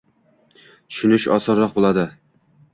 tushunish osonroq bo‘ladi: